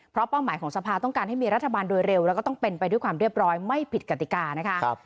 เพราะเป้าหมายของสภาต้องการให้มีรัฐบาลโดยเร็วแล้วก็ต้องเป็นไปด้วยความเรียบร้อยไม่ผิดกติกานะคะ